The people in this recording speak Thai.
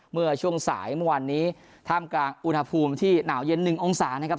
เมื่อช่วงสายเมื่อวานนี้ท่ามกลางอุณหภูมิที่หนาวเย็น๑องศานะครับ